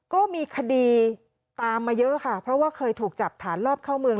ก็มีคดีตามมาเยอะค่ะเพราะว่าเคยถูกจับฐานรอบเข้าเมือง